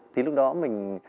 thì lúc đó mình